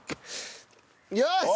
よし！